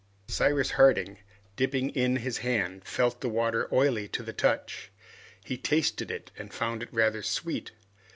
Cyrus Harding, dipping in his hand, felt the water oily to the touch. He tasted it and found it rather sweet.